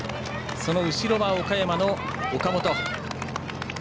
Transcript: その後ろは、岡山の岡本。